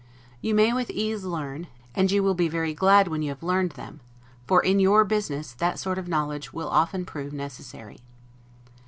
You may with ease learn, and you will be very glad when you have learned them; for, in your business, that sort of knowledge will often prove necessary.